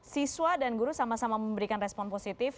siswa dan guru sama sama memberikan respon positif